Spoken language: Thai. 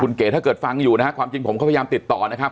คุณเก๋ถ้าเกิดฟังอยู่นะฮะความจริงผมก็พยายามติดต่อนะครับ